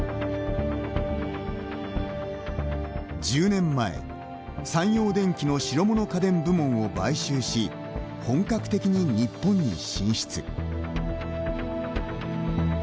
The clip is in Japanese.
１０年前、三洋電機の白物家電部門を買収し本格的に日本に進出。